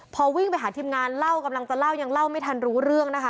พอวิ่งไปหาทีมงานเล่ากำลังจะเล่ายังเล่าไม่ทันรู้เรื่องนะคะ